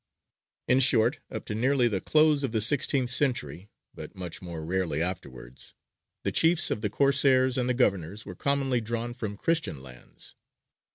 In short, up to nearly the close of the sixteenth century (but much more rarely afterwards) the chiefs of the Corsairs and the governors were commonly drawn from Christian lands.